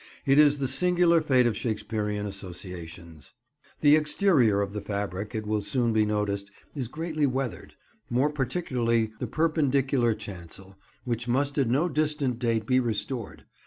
It is the singular fate of Shakespearean associations. The exterior of the fabric, it will soon be noticed, is greatly weathered; more particularly the Perpendicular chancel, which must at no distant date be restored.